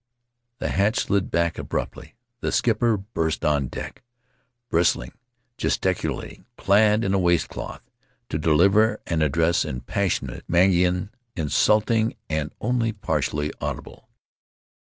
99 ; the hatch slid back abruptly; the skipper burst on deck — bristling, gesticu lating, clad in a waistcloth — to deliver an address in passionate Mangaian, insulting and only partially audible.